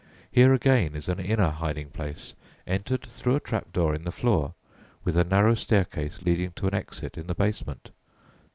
Here again is an inner hiding place, entered through a trap door in the floor, with a narrow staircase leading to an exit in the basement.